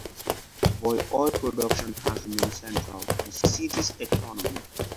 But oil production has remained central to the city's economy.